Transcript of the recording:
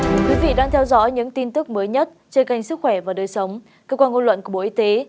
quý vị đang theo dõi những tin tức mới nhất trên kênh sức khỏe và đời sống cơ quan ngôn luận của bộ y tế